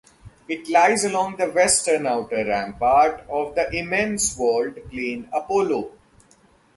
It lies along the western outer rampart of the immense walled plain Apollo.